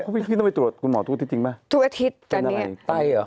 ทุกอาทิตย์ตอนนี้เป็นอะไรไต้หรือ